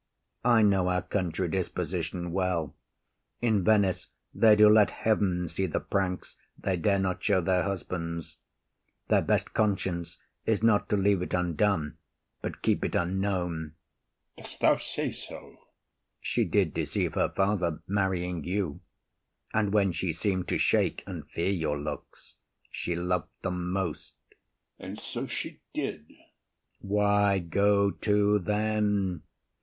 I know our country disposition well; In Venice they do let heaven see the pranks They dare not show their husbands. Their best conscience Is not to leave undone, but keep unknown. OTHELLO. Dost thou say so? IAGO. She did deceive her father, marrying you; And when she seem’d to shake and fear your looks, She loved them most. OTHELLO. And so she did. IAGO. Why, go to then.